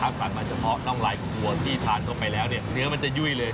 ภาพสรรค์มาเฉพาะน่องลายกลุ่มหัวที่ทานต่อไปแล้วเนื้อมันจะยุ่ยเลย